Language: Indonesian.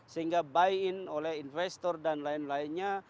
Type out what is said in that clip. sehingga buy in oleh investor dan lain lainnya